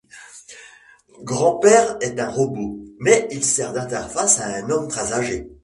Grand-Père est un robot, mais il sert d'interface à un homme très âgé.